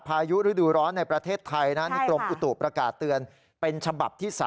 พายุฤดูร้อนในประเทศไทยนะนี่กรมอุตุประกาศเตือนเป็นฉบับที่๓